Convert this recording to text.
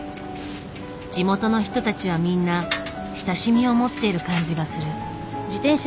地元の人たちはみんな親しみを持っている感じがする。